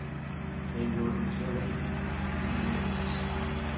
They were interrogated for three days.